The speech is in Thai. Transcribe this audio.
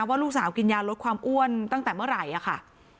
ว่าลูกสาวกินยาลดความอ้วนตั้งแต่เมื่อไหร่ค่ะ